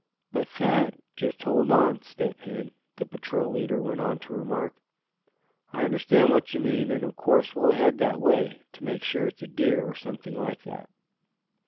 "But, Thad " "Just hold on, Step Hen," the patrol leader went on to remark, "I understand what you mean, and of course we'll head that way, to make sure it's a deer, or something like that."